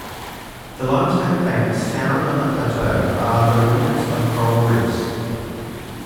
The limestone banks found on the plateau are the remnants of coral reefs.